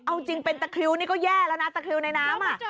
เอาจริงเป็นตะคริวนี่ก็แย่แล้วนะตะคริวในน้ำ